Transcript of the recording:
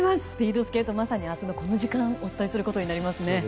スピードスケート、まさに明日のこの時間にお伝えすることになりますね。